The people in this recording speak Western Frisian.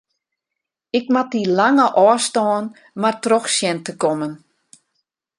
Ik moat dy lange ôfstân mar troch sjen te kommen.